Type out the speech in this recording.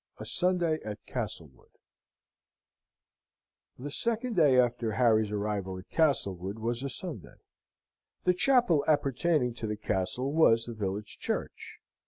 A Sunday at Castlewood The second day after Harry's arrival at Castlewood was a Sunday. The chapel appertaining to the castle was the village church.